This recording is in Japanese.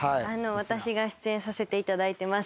私が出演させていただいてます